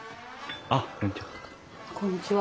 あっこんにちは。